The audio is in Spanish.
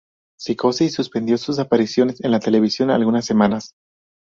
Psicosis suspendió sus apariciones en la televisión algunas semanas.